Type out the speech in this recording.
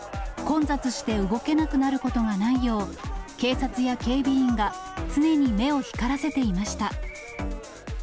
混雑して動けなくなることがないよう、警察や警備員が、常に目を光らせていました。